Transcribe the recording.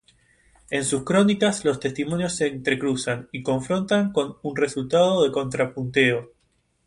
En sus crónicas, los testimonios se entrecruzan y confrontan, con un resultado de contrapunteo.